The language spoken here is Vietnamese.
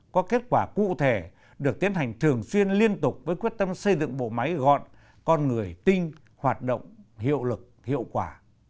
cụ thể được tiến hành thường xuyên liên tục với quyết tâm xây dựng bộ máy gọn con người tinh hoạt động hiệu lực hiệu quả